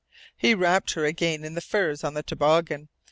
He wrapped her again in the furs on the toboggan.